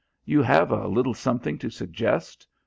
You have a little something to suggest?